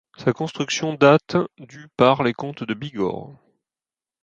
Sa construction date du par les Comtes de Bigorre.